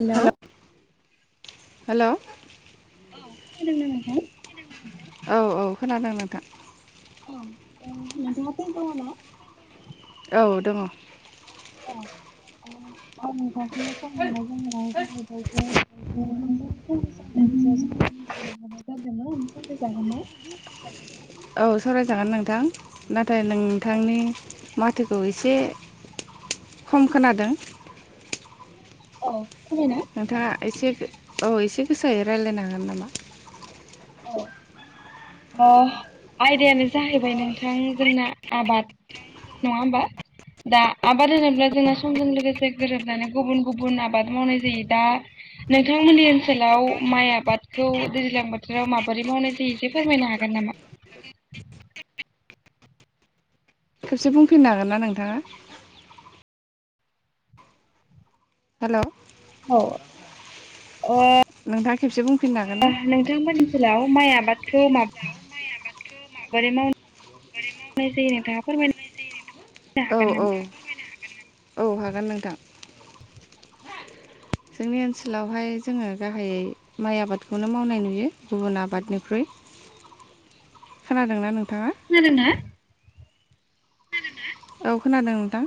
[unintelligible] हेल' औ खोनादोंना नोंथां [unintelligible] औ औ खोनादों नोंथां औ उम नोंथाङा [unintelligible] दङ' ना औ दङ' अ आं नोंथांखौ फन हरनाय जाहोना‌ जाहैबाय जे [unintelligible] सावरायजागोन ना औ सावरायजागोन नोंथां नाथाय नोंथांनि माथोखौ एसे खम खोनादों अ [unintelligible] नोंथाङा एसे औ एसे गोसायै रायलायनो हागोन नामा औ अह आयदायानो जाहैबाय नोंथां जोंना आबाद नङा होमबा दा आबाद होनोब्ला जोंङो समजों लोगोसे गोरोबनानै गुबुन गुबुन आबाद मावनाय जायो दा नोंथांमोननि ओनसोलाव माइ आबादखौ दैज्लां बोथोराव माबोरै मावनाय जायो जे फोरमायनो हागोन नामा खेबसे बुंफिननो हागोन ना नोंथाङा? हेल' औ ओ नोंथाङा खेबसे बुंफिननो हागोन ना थांमोननि ओनसोलाव माइ आबादखौ मा बोरै माव नाय जायो नोंथाङा फोरमाय औ औ [unintelligible] औ हागोन नोंथां जोंनि ओनसोलावहाय जोङो गाहायै माइ आबादखौनो मावनाय नुयो गुबुन आबादनिख्रुइ खानादोंना नोंथाङा खोनादों ना औ खोनादों नोंथां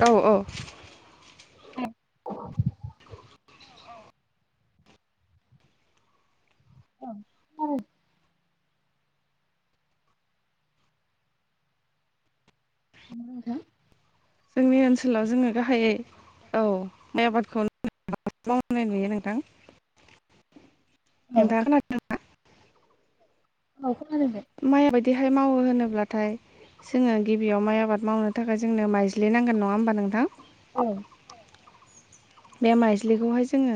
औ औ [unintelligible] [unintelligible] [unintelligible] जोंनि ओनसोलाव जोङो गाहायै औ माइ आबादखौ [unintelligible] [unintelligible] मावनाय नुयो नोंथां [inaudible] नोंथाङा खोना औ खोनादोंदे माइ बायदिहाय मावो होनोब्लाथाय जोङो गिबियाव माइ आबाद मावनो थाखाय जोंनो माइज्लि नांगोन नङा होमबा नोंथां औ बे माइज्लिखौहाय जोङो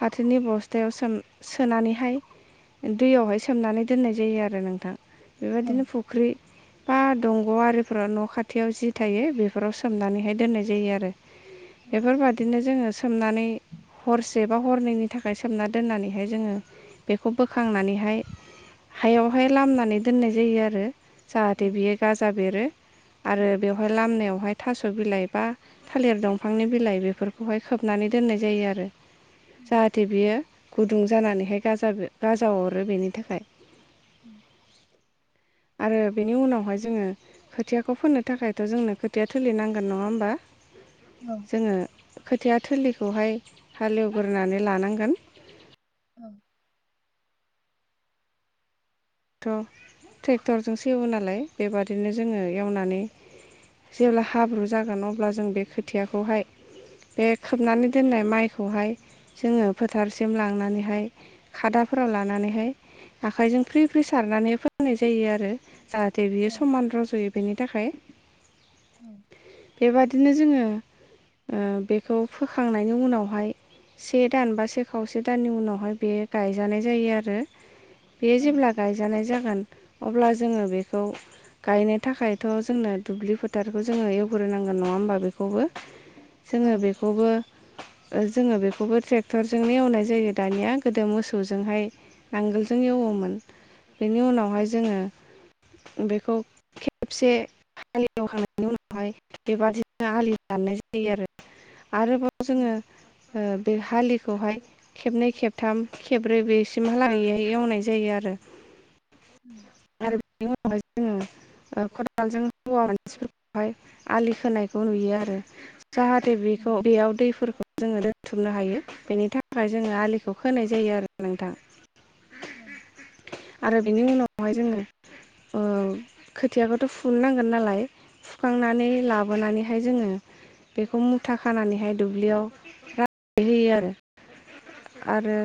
फाथोनि बस्थायाव सोम सोनानैहाय दैयावहाय सोमनानै दोननाय जायो आरो नोंथां बेबायदिनो फुख्रि बा दंग' आरिफोराव न' खाथियाव जि थायो बेफोराव सोमनानैहाय दोननाय जायो आरो बेफोरबादिनो जोङो सोमनानै हरसे बा हरनैनि थाखाय सोमना दोननानैहाय जोङो बेखौ बोखांनानैहाय हायावहाय लामनानै दोननाय जायो आरो जाहाथे बियो गाजा बेरो आरो बेव हाय लामावहाय थास' बिलाइ बा थालिर दंफांनि बिलाइ बेफोर खौहाय खोबनानै दोननाय जायो आरो जाहाथे बियो गुदुं जानानैहाय गाजाब गाजा हरो बेनि थाखाय उम आरो बेनि उनावहाय जोङो खोथियाखौ फोनो थाखायथ' जोंनो खोथिया थिलि नांगोन नङा होमबा औ जोङो खोथिया थिलिखौहाय हालेवग्रोनानै लानांगोन औ थ' ट्रेक्टरजों एवो नालाय बेबादिनो जोङो एवनानै जेब्ला हाब्रु जागोन अब्ला जों बे खोथियाखौहाय बे खोबनानै दोननाय माइखौहाय जोङो फोथारसिम लांनानैहाय खादाफोराव लानानैहाय आखाइजों फ्रि फ्रि सारनानै फोनाय जायो आरो जाहाथे बियो समान रज'यो बेनि थाखाय बेबादिनो जोङो ओ बेखौ फोखांनायनि उनावहाय से दान बा से खावसे दाननि उनावहाय बेयो गायजानाय जायो आरो बेयो जेब्ला गायजानाय जागोन अब्ला जोङो बेखौ गायनो थाखायथ' जोंनो दुब्लि फोथारखौ जोङो एवग्रोनांगोन नङा होमबा बेखौबो जोङो बेखौबो ओ जोङो बेखौबो ट्रेक्टरजोंनो एवनाय जायो दानिया गोदो मोसौजोंहाय नांगोलजों एवोमोन बेनि उनावहाय जोङो बेखौ खेबसे हालि एवखांनायनि उनावहाय बेबादिनो आलि दाननाय जायो आरो आरोबाव जोङो ओ बे हालिखौहाय खेबनै खेबथाम खेबब्रै बेसिमहालागैहाय एवनाय जायो आरो ओम आरो बिनि उनावहाय जोङो ओ खदालजों हौवा मानसिफोरखौहाय आलि खोनायखौ नुयो आरो जाहाथे बेखौ बेयाव दैफोरखौ जोङो दोनथुमनो हायो बेनि थाखाय जोङो आलिखौ होनाय जायो आरो नोंथां ओं आरो बिनि उनावहाय जोङो ओ खोथियाखौथ' फुनो नांगोन नालाय फुखांनानै लाबोनानैहाय जोङो बेखौ मुथा खानानैहाय दुब्लियाव राननानै होयो आरो आरो